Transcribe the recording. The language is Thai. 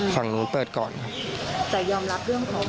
ฝั่งเปิดก่อนครับ